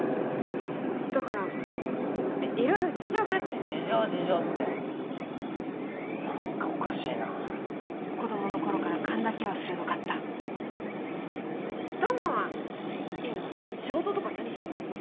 だから色々事情があって事情事情って何かおかしいな子供の頃から勘だけは鋭かった冬馬は今仕事とか何してるの？